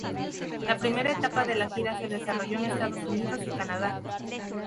La primera etapa de la gira se desarrolló en Estados Unidos y Canadá.